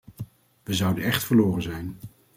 We zouden echt verloren zijn.